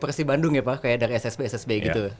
persib bandung ya pak kayak dari ssb ssb gitu